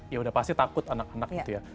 ya udah pasti takut anak anak gitu ya